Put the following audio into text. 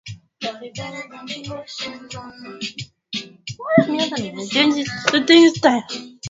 Kundi la waasi sa Machi ishirini na tatu liliundwa kutoka kwa kundi lililokuwa likiongozwa na Jenerali Bosco Ntaganda